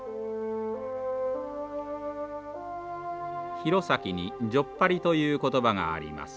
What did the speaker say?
弘前にじょっぱりという言葉があります。